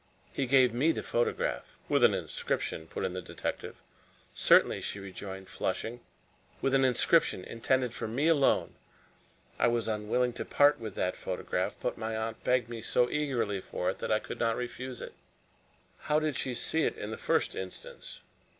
He gave me the photograph " "With an inscription," put in the detective. "Certainly," she rejoined, flushing, "with an inscription intended for me alone. I was unwilling to part with the photograph, but my aunt begged so eagerly for it that I could not refuse it." "How did she see it in the first instance?"